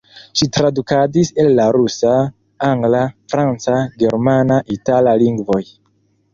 Ŝi tradukadis el la rusa, angla, franca, germana, itala lingvoj.